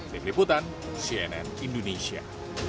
dikliputan cnn indonesia